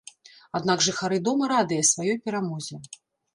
Аднак жыхары дома радыя сваёй перамозе.